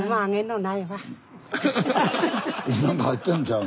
何か入ってんのちゃうの？